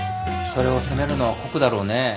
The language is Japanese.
それを責めるのは酷だろうね。